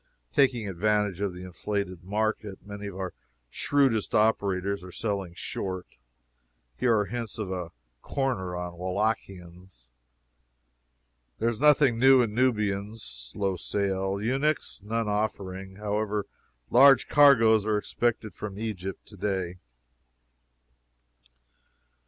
Taking advantage of the inflated market, many of our shrewdest operators are selling short. There are hints of a 'corner' on Wallachians. "There is nothing new in Nubians. Slow sale. "Eunuchs None offering; however, large cargoes are expected from Egypt today."